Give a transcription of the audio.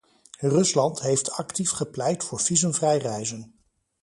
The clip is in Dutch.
Rusland heeft actief gepleit voor visumvrij reizen.